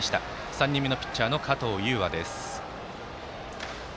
３人目のピッチャーの加藤悠羽です。